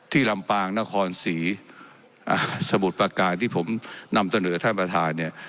ลำปางนครศรีสมุทรประการที่ผมนำเสนอท่านประธานเนี่ย